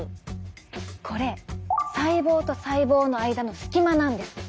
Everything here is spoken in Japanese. これ細胞と細胞の間のスキマなんです。